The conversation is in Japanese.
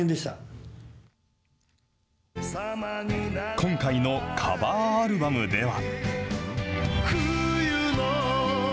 今回のカバーアルバムでは。